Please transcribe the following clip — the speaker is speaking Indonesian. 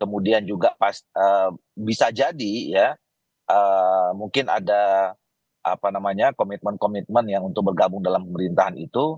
kemudian juga bisa jadi ya mungkin ada komitmen komitmen yang untuk bergabung dalam pemerintahan itu